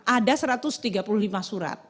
ada satu ratus tiga puluh lima surat